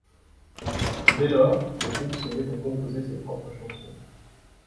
Dès lors, le groupe se met à composer ses propres chansons.